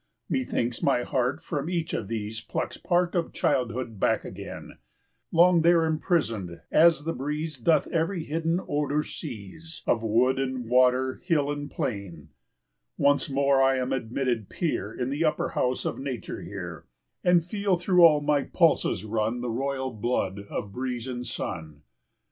Methinks my heart from each of these Plucks part of childhood back again, Long there imprisoned, as the breeze Doth every hidden odor seize 55 Of wood and water, hill and plain; Once more am I admitted peer In the upper house of Nature here, And feel through all my pulses run The royal blood of breeze and sun.